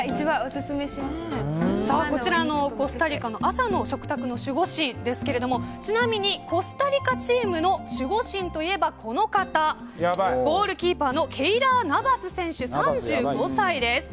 こちらのコスタリカの朝の食卓の守護神ですがちなみにコスタリカチームの守護神といえばこの方、ゴールキーパーのケイラー・ナヴァス選手３５歳です。